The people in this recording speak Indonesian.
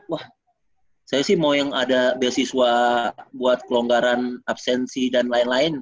wah saya sih mau yang ada beasiswa buat kelonggaran absensi dan lain lain